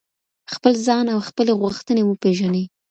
خپل ځان او خپلي غوښتنې وپیژنئ.